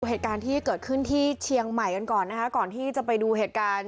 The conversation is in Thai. เหตุการณ์ที่เกิดขึ้นที่เชียงใหม่กันก่อนนะคะก่อนที่จะไปดูเหตุการณ์